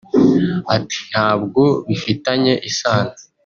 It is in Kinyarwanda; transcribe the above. Ati “ Ntabwo bifitanye isano